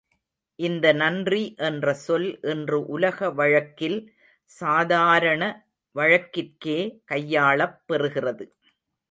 இந்த நன்றி என்ற சொல் இன்று உலக வழக்கில் சாதாரண வழக்கிற்கே கையாளப் பெறுகிறது.